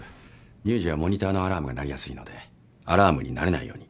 乳児はモニターのアラームが鳴りやすいのでアラームに慣れないように。